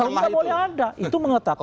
kalau tidak boleh ada itu mengatakan